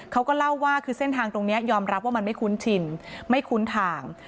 เขาก็เล่าว่าคือเส้นทางตรงนี้ยอมรับว่ามันไม่คุ้นชินไม่คุ้นทาง